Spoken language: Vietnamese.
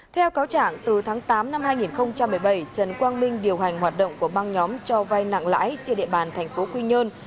theo cáo trạng từ tháng tám năm hai nghìn một mươi bảy trần quang minh điều hành hoạt động của băng nhóm cho vai nặng lãi trên địa bàn thành phố quy nhơn